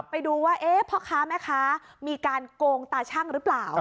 ไปดูว่าพ่อค้าแม่ค้ามีการโกงตาชั่งหรือเปล่า